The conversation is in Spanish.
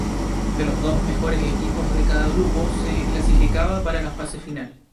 Los dos mejores equipos de cada grupo se clasificaba para la fase final.